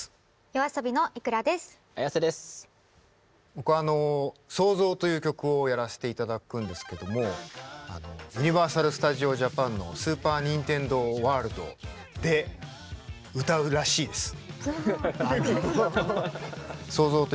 僕は「創造」という曲をやらせていただくんですけどもユニバーサル・スタジオ・ジャパンのスーパー・ニンテンドー・ワールドで歌うらしいです。